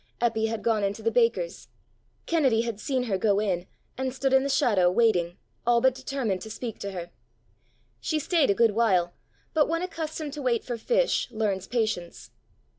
Eppy had gone into the baker's; Kennedy had seen her go in, and stood in the shadow, waiting, all but determined to speak to her. She staid a good while, but one accustomed to wait for fish learns patience.